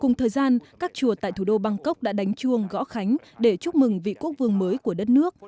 cùng thời gian các chùa tại thủ đô bangkok đã đánh chuông gõ khánh để chúc mừng vị quốc vương mới của đất nước